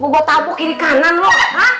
gue tabu kiri kanan loh